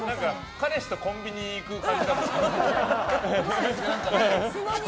彼氏とコンビに行く感じだね。